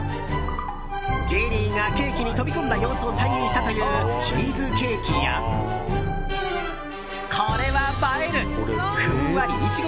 ジェリーがケーキに飛び込んだ様子を再現したというチーズケーキやこれは映えるふんわりイチゴ